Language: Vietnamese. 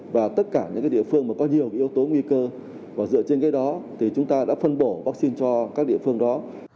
và tất cả những địa phương mà có nhiều yếu tố nguy cơ và dựa trên cái đó thì chúng ta đã phân bổ vaccine cho các địa phương đó